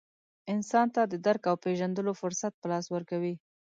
انسان ته د درک او پېژندلو فرصت په لاس ورکوي.